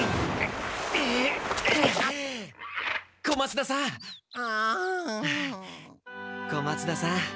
小松田さん？